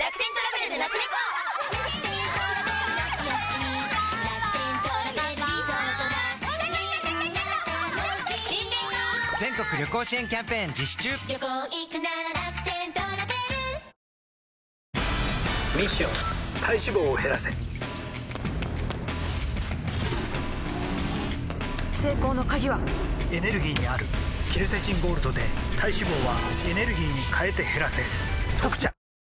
ミッション体脂肪を減らせ成功の鍵はエネルギーにあるケルセチンゴールドで体脂肪はエネルギーに変えて減らせ「特茶」